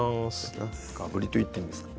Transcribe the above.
がぶりといっていいんですか。